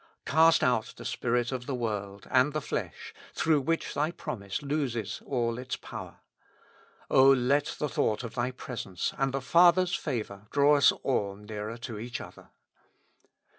Cast out the spirit of the world and the flesh, through which Thy promise loses all its power. O let the thought of Thy presence and the Father's favor draw us all nearer to each other.